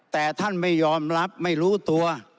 แต่ท่านไม่ยอมรับไม่รู้ตัว